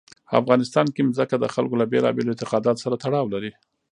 افغانستان کې ځمکه د خلکو له بېلابېلو اعتقاداتو سره تړاو لري.